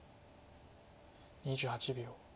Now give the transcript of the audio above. ２８秒。